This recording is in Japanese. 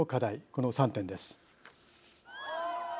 この３点です。